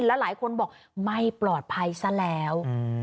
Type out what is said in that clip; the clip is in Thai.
แล้วหลายคนบอกไม่ปลอดภัยซะแล้ว